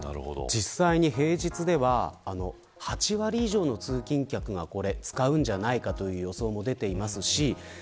平日では実際に８割以上の通勤客が使うんじゃないかという予想があります。